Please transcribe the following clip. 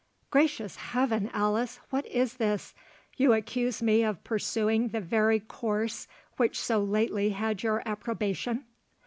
"Gracious Heaven, Alice, what is this? You accuse me of pursuing the very course which so lately had your approbation!"